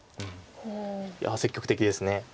いや積極的です。